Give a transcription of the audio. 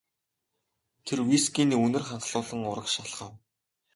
Тэр вискиний үнэр ханхлуулан урагш алхав.